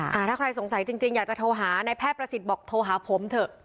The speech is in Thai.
ถ้าใครสงสัยจริงจริงอยากจะโทรหานายแพทย์ประสิทธิ์บอกโทรหาผมเถอะ